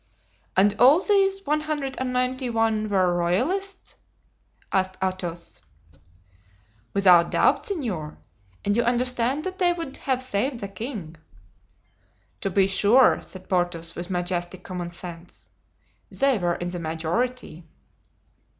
"And all these one hundred and ninety one were Royalists?" asked Athos. "Without doubt, senor; and you understand that they would have saved the king." "To be sure," said Porthos, with majestic common sense; "they were in the majority."